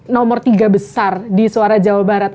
nomor tiga besar di suara jawa barat